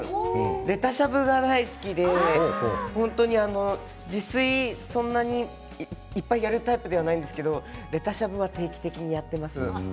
レタしゃぶが大好きで自炊、そんなにいっぱいやるタイプではないんですけどレタしゃぶは定期的にやっています。